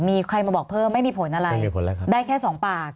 มีใครมาบอกเพิ่มไม่มีผลอะไรได้แค่สองปาก